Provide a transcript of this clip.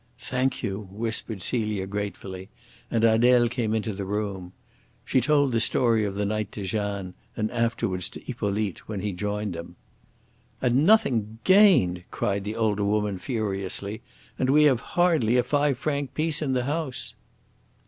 "Thank you," whispered Celia gratefully, and Adele came into the room. She told the story of the night to Jeanne, and afterwards to Hippolyte when he joined them. "And nothing gained!" cried the older woman furiously. "And we have hardly a five franc piece in the house."